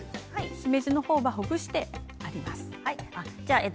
しめじの方はほぐしています。